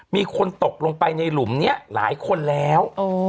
มีคนตกลงไปในหลุมนี้หลายคนแล้ว